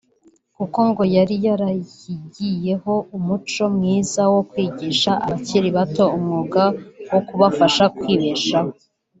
kuko ngo yari yarayigiyeho umuco mwiza wo kwigisha abakiri bato umwuga wo kubafasha kwibeshaho